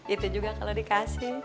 itu juga kalau dikasih